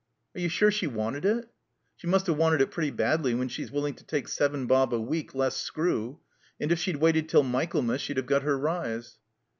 "Are you sure she wanted it?" "She must have wanted it pretty badly when she's willing to take seven bob a week less screw. And if she'd waited till Michaelmas she'd have got her rise."